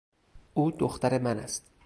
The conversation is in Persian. او دختر من است.